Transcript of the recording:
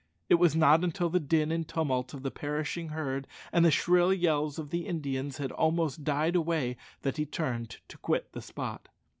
It was not until the din and tumult of the perishing herd and the shrill yells of the Indians had almost died away that he turned to quit the spot.